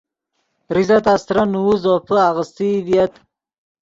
زیزہ تا استرن نوؤ زوپے آغیستئی ڤییت